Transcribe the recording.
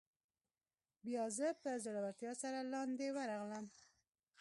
بیا زه په زړورتیا سره لاندې ورغلم.